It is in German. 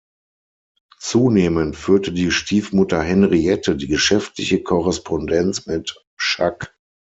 Zunehmend führte die Stiefmutter Henriette die geschäftliche Korrespondenz mit Schack.